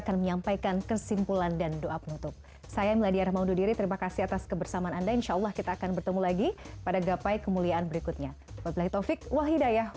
assalamualaikum warahmatullahi wabarakatuh